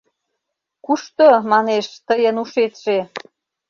Кушто, манеш, тыйын ушетше.